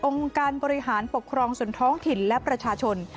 การบริหารปกครองส่วนท้องถิ่นและประชาชน